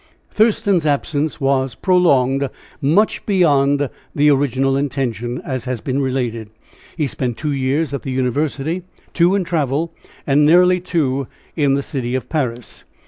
Thurston's absence was prolonged much beyond the original intention, as has been related; he spent two years at the university, two in travel, and nearly two in the city of Paris.